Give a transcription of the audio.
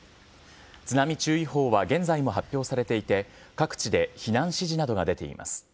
津波注意報は現在も発表されていて、各地で避難指示などが出ています。